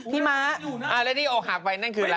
ม้าแล้วที่ออกหักไปนั่นคืออะไร